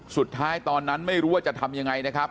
ตอนนั้นไม่รู้ว่าจะทำยังไงนะครับ